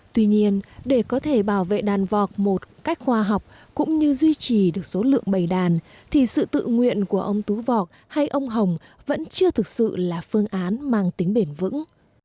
tuy nhiên để có thể bảo vệ đàn vọc một cách khoa học cũng như duy trì được số lượng bày đàn thì sự tự nguyện của ông tú vọc hay ông hồng vẫn chưa thực sự là phương án mang tính bền vững